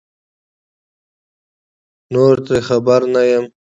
نور ترې خبر نه لرم